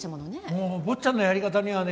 もう坊ちゃんのやり方にはね